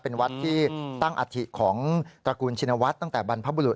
เป็นวัดที่ตั้งอัฐิของตระกูลชินวัฒน์ตั้งแต่บรรพบุรุษ